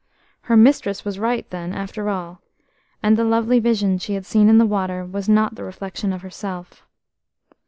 Her mistress was right then, after all, and the lovely vision she had seen in the water was not the reflection of herself.